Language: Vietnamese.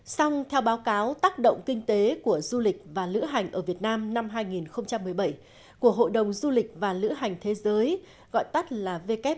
xong theo báo cáo tác động kinh tế của du lịch và lữ hành ở việt nam